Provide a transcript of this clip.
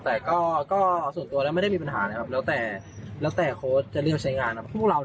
แต่ก็ส่วนตัวแล้วไม่ได้มีปัญหานะครับแล้วแต่แล้วแต่โค้ชจะเลือกใช้งานพวกเรา